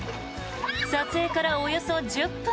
撮影からおよそ１０分。